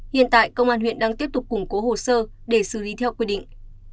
hiện tại công an huyện đang tiếp tục củng cố hồ sơ để xử lý theo quy định